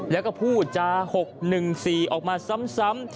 แล้วก็พูดจา๖๑๔ออกมาซ้ำ